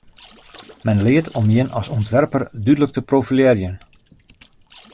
Men leart om jin as ûntwerper dúdlik te profilearjen.